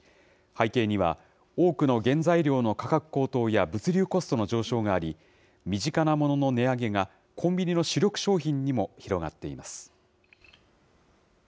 背景には、多くの原材料の価格高騰や物流コストの上昇があり、身近なものの値上げがコンビニの主力商品にも広がっています。